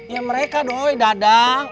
ya mereka doi dadang